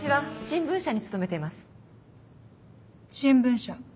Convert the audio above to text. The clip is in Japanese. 新聞社。